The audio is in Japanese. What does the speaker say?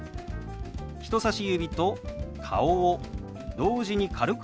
人さし指と顔を同時に軽くふりますよ。